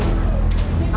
tidak ada pak